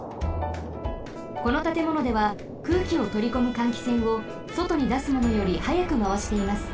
このたてものでは空気をとりこむ換気扇をそとにだすものよりはやくまわしています。